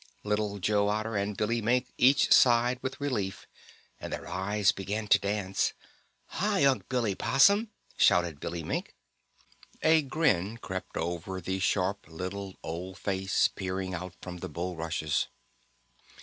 Little Joe Otter and Billy Mink each sighed with relief, and their eyes began to dance. "Hi, Unc' Billy Possum!" shouted Billy Mink. A grin crept over the sharp little old face peering out from the bulrushes.